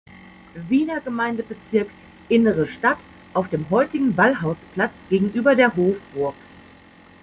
Wiener Gemeindebezirk Innere Stadt auf dem heutigen Ballhausplatz gegenüber der Hofburg.